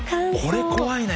これ怖いね。